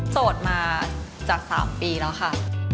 โสดมาจาก๓ปีแล้วค่ะ